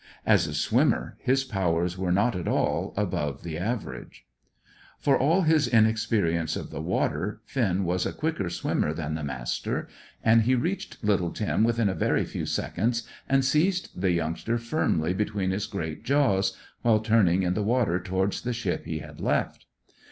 As a swimmer his powers were not at all above the average. For all his inexperience of the water Finn was a quicker swimmer than the Master, and he reached little Tim within a very few seconds, and seized the youngster firmly between his great jaws, while turning in the water towards the ship he had left.